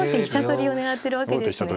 取りを狙ってるわけですね。